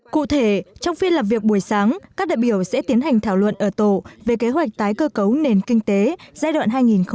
cụ thể trong phiên làm việc buổi sáng các đại biểu sẽ tiến hành thảo luận ở tổ về kế hoạch tái cơ cấu nền kinh tế giai đoạn hai nghìn hai mươi một hai nghìn hai mươi năm